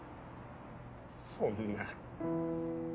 ⁉そんな。